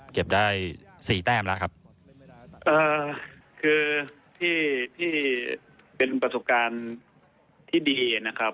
เก็บได้สี่แต้มแล้วครับเอ่อคือที่ที่เป็นประสบการณ์ที่ดีนะครับ